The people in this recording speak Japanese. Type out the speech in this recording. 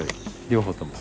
両方とも？